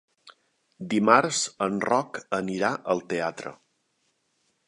Dimarts en Roc anirà al teatre.